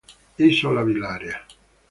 Isola Bellaria.